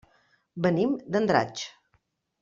Venim d'Andratx.